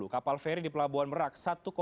kapal feri di pelabuhan merak satu dua